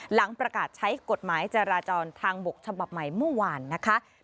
หลังประกาศใช้กฎหมายจราจรทางบกฉบับใหม่เมื่อวานนะคะ